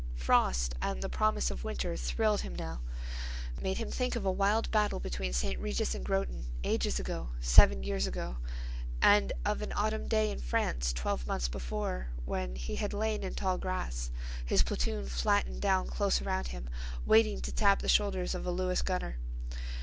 Frost and the promise of winter thrilled him now, made him think of a wild battle between St. Regis and Groton, ages ago, seven years ago—and of an autumn day in France twelve months before when he had lain in tall grass, his platoon flattened down close around him, waiting to tap the shoulders of a Lewis gunner.